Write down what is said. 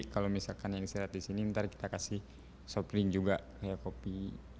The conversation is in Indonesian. kalau misalkan yang saya lihat di sini nanti kita kasih soft drink juga kopi